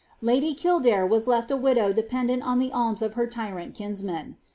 Lady Kildare was left a wiilow dependent on the alms of her tyrant kinsman.